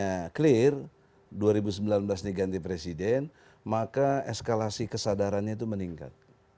nah clear dua ribu sembilan belas ini ganti presiden maka eskalasi kesadarannya itu meningkat